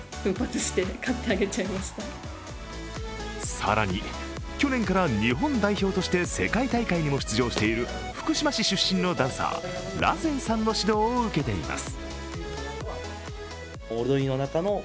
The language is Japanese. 更に、去年から日本代表として世界大会にも出場している福島市出身のダンサー、Ｒａｓｅｎさんの指導を受けています。